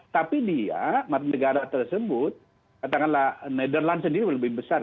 tapi dia negara tersebut katakanlah netherland sendiri lebih besar